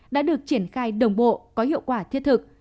đã được triển khai đồng bộ có hiệu quả thiết thực